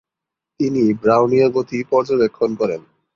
তিনি ব্রাউনীয় গতি পর্যবেক্ষণ করেন।